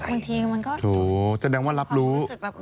บางทีมันก็ความรู้สึกรับรู้